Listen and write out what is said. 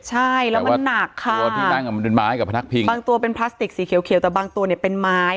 ใช่แล้วมันหนักค่ะบางตัวเป็นพลาสติกสีเขียวแต่บางตัวเป็นไม้